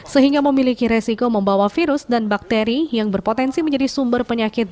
sehingga memiliki resiko membawa virus dan bakteri yang berpotensi menjadi sumber penyakit